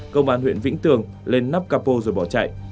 công an huyện vĩnh tường lên nắp capo rồi bỏ chạy